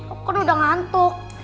aku udah ngantuk